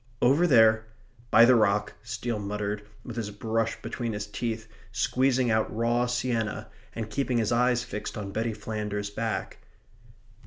"Over there by the rock," Steele muttered, with his brush between his teeth, squeezing out raw sienna, and keeping his eyes fixed on Betty Flanders's back.